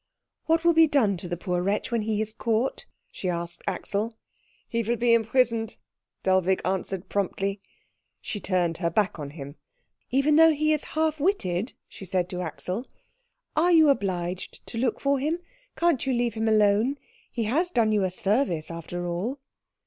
"What will be done to the poor wretch when he is caught?" she asked Axel. "He will be imprisoned," Dellwig answered promptly. She turned her back on him. "Even though he is half witted?" she said to Axel. "Are you obliged to look for him? Can't you leave him alone? He has done you a service, after all."